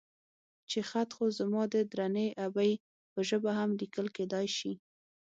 چې خط خو زما د درنې ابۍ په ژبه هم ليکل کېدای شي.